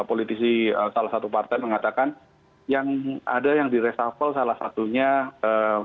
politisi salah satu partai mengatakan yang ada yang diresafel salah satunya